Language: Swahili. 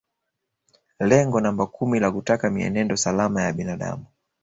Lengo namba kumi la kutaka mienendo salama ya binadamu